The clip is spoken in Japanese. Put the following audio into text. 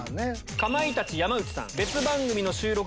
かまいたち・山内さん。